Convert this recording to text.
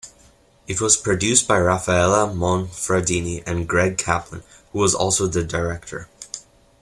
It was produced by Rafaela Monfradini and Greg Kaplan, who was also the director.